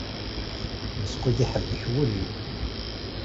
Meskud iḥebbek wul-iw.